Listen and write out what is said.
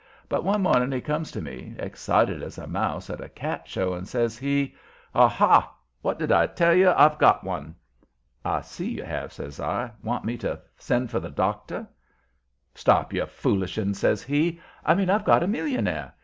But one morning he comes to me, excited as a mouse at a cat show, and says he: "Ah, ha! what did I tell you? I've got one!" "I see you have," says I. "Want me to send for the doctor?" "Stop your foolishing," he says. "I mean I've got a millionaire.